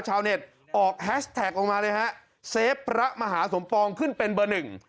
ชาวเน็ตออกแฮชแท็กลงมาเลยฮะเซฟพระมหาสมปองขึ้นเป็นเบอร์หนึ่ง